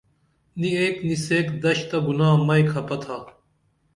نی ایک نی سیک دش تہ گناہ مئی کھپہ تھا